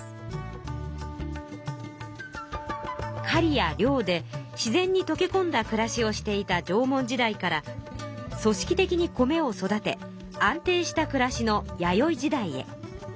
狩りや漁で自然にとけこんだ暮らしをしていた縄文時代から組織的に米を育て安定した暮らしの弥生時代へ。